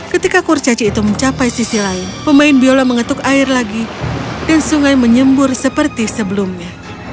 ketika kurcaci itu mencapai sisi lain pemain biola mengetuk air lagi dan sungai menyembur seperti sebelumnya